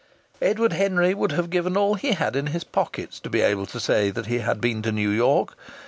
Edward Henry would have given all he had in his pockets to be able to say that he had been to New York.